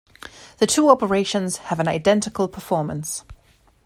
The two operations have an identical performance.